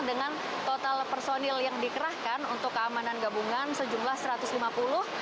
dengan total personil yang dikerahkan untuk keamanan gabungan sejumlah seratus